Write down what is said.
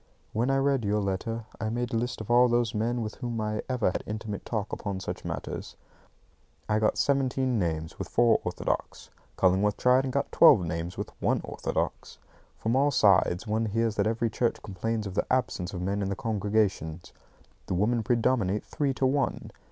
When I read your letter, I made a list of all those men with whom I ever had intimate talk upon such matters. I got seventeen names, with four orthodox. Cullingworth tried and got twelve names, with one orthodox. From all sides, one hears that every church complains of the absence of men in the congregations. The women predominate three to one.